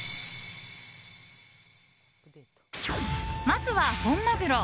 まずは、本マグロ。